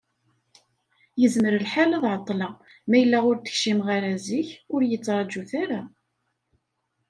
Yezmer lḥal ad ɛeṭṭleɣ, ma yella ur d-kcimeɣ ara zik, ur iyi-ttraǧut ara.